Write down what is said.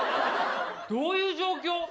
どういう状況。